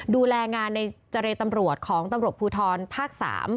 ดูแลงานในเจรตำรวจของตำรวจภูทรภาค๓